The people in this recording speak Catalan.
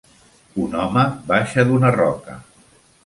Un home baixa d'una roca.